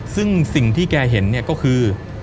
ซึ่งสิ่งที่แกเห็นเนี่ยก็คือ